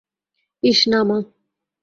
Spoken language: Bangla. ইশ না, মা।